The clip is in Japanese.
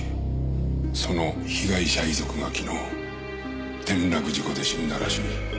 その被害者遺族が昨日転落事故で死んだらしい。